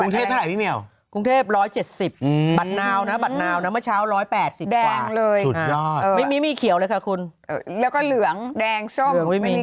ก็อยู่บ้านไงเปิดเครื่องฟอกไงพี่